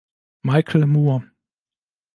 Michael More